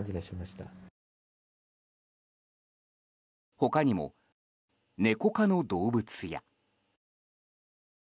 他にもネコ科の動物や。